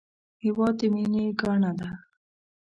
هېواد د مینې ګاڼه ده